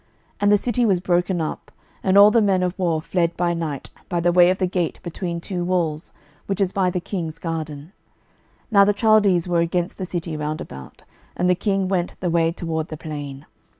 12:025:004 And the city was broken up, and all the men of war fled by night by the way of the gate between two walls, which is by the king's garden: (now the Chaldees were against the city round about:) and the king went the way toward the plain.